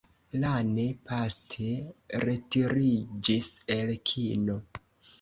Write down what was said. Lane poste retiriĝis el kino.